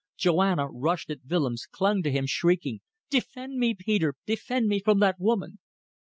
Joanna rushed at Willems clung to him, shrieking: "Defend me, Peter! Defend me from that woman!"